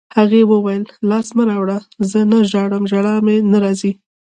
هغې وویل: لاس مه راوړه، زه نه ژاړم، ژړا مې نه راځي.